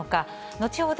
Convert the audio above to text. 後ほど